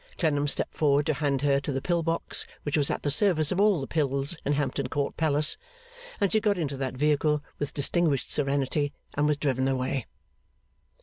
Clennam stepped forward to hand her to the Pill Box which was at the service of all the Pills in Hampton Court Palace; and she got into that vehicle with distinguished serenity, and was driven away.